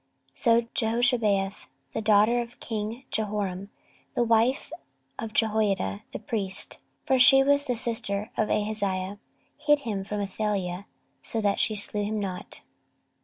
So Jehoshabeath, the daughter of king Jehoram, the wife of Jehoiada the priest, (for she was the sister of Ahaziah,) hid him from Athaliah, so that she slew him not.